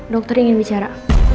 dokter ingin bicara